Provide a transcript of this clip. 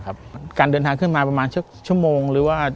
การเดินทางขึ้นมาประมาณชั่วโมงหรือว่า